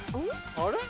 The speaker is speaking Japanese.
あれ？